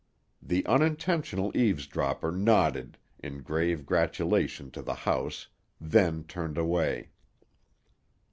The unintentional eavesdropper nodded, in grave gratulation to the house, then turned away.